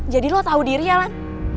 jadi lo tau diri ya lan